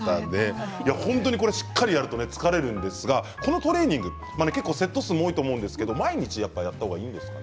しっかりやると疲れるんですがこのトレーニングセット数も多いと思うんですが毎日やった方がいいですか？